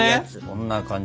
こんな感じ。